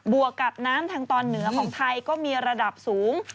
วกกับน้ำทางตอนเหนือของไทยก็มีระดับสูง